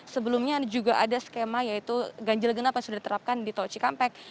sebelumnya juga ada skema yaitu ganjil genap yang sudah diterapkan di tol cikampek